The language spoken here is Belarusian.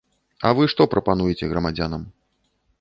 А вы што прапануеце грамадзянам?